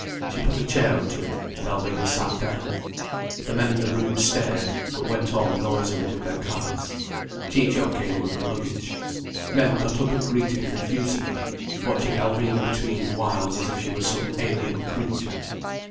She put a chair up to it, and Alvina sat down. The men in the room stared, but went on noisily with their cards. Ciccio came in with luggage. Men got up and greeted him effusively, watching Alvina between whiles as if she were some alien creature.